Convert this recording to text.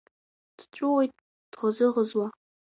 Дҵәуоит дӷызы-ӷызуа…